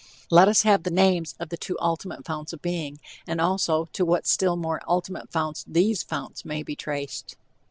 Let us have the names of the two ultimate founts of being, and also to what still more ultimate founts these founts may be traced.